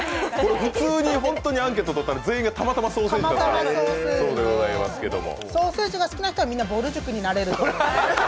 普通に、本当にアンケートとったら本当に３人たまたまソーセージだったということでソーセージが好きな人は、みんな、ぼる塾になれるという。